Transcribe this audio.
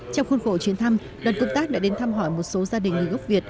trong khuôn khổ chuyến thăm đoàn công tác đã đến thăm hỏi một số gia đình người gốc việt